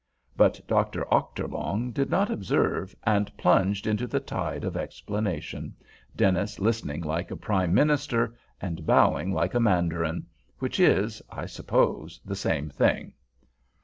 But Dr. Ochterlong did not observe, and plunged into the tide of explanation, Dennis listening like a prime minister, and bowing like a mandarin—which is, I suppose, the same thing.